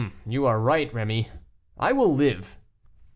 "You are right, Rémy; I will live."